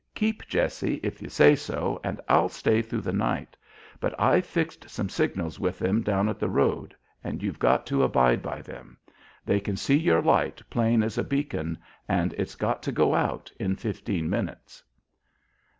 Keep Jessie, if you say so, and I'll stay through the night; but I've fixed some signals with them down at the road and you've got to abide by them. They can see your light plain as a beacon, and it's got to go out in fifteen minutes."